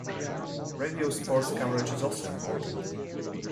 Radio sports coverage is also important.